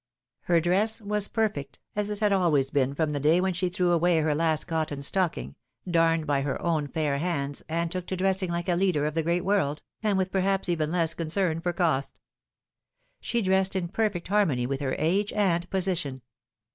Her dress was perfect, as it had always been from the day when she threw away her last cotton stocking, darned by her own fair handa, and took to dressing like a leader of the great world, and with perhaps even less concern for cost. She dressed in perfect har mony with her age and position.